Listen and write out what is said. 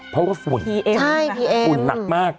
เพราะว่าฝุ่นดีเองฝุ่นหนักมาก